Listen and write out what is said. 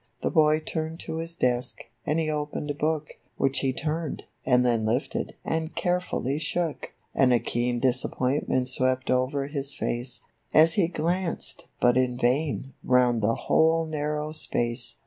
The hoy turned to his desk, and he opened a hook, Which he turned, and then lifted, and carefully shook ; And a keen disappointment swept over his face As he glanced, hut in vain, round the whole nar row space.